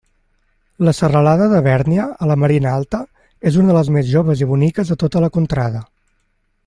La serralada de Bèrnia, a la Marina Alta, és una de les més joves i boniques de tota la contrada.